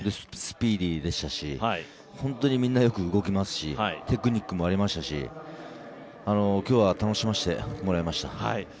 スピーディーでしたし、本当にみんなよく動きましたしテクニックもありましたし、今日は楽しませてもらいました。